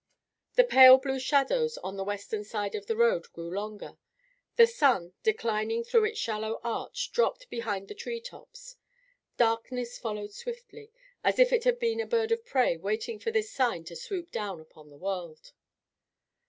The pale blue shadows on the western side of the road grew longer. The sun, declining through its shallow arch, dropped behind the tree tops. Darkness followed swiftly, as if it had been a bird of prey waiting for this sign to swoop down upon the world.